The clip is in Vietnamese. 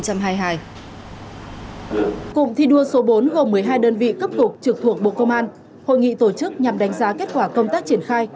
cụm thi đua số bốn gồm một mươi hai đơn vị cấp cục trực thuộc bộ công an hội nghị tổ chức nhằm đánh giá kết quả công tác triển khai